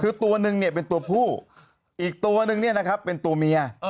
คือตัวนึงเนี่ยเป็นตัวผู้อีกตัวนึงเนี่ยนะครับเป็นตัวเมีย